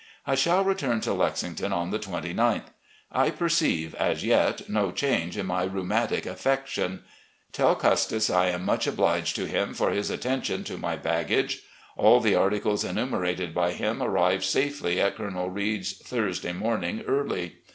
I shall return to Lexington on the 29th. I perceive, as yet, no change in my rheumatic affection. ... Tell Custis I am much obliged to him for his attention to my baggage. All the articles enumerated by him arrived safely at Colonel Reid's Thursday morning early.